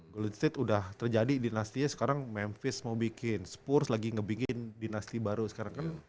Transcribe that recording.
golden state udah terjadi dinastinya sekarang memphis mau bikin spurs lagi nge bikin dinasti baru sekarang